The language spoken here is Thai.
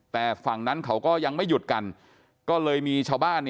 แต่ฝั่งนั้นเขาก็ยังไม่หยุดกันก็เลยมีชาวบ้าน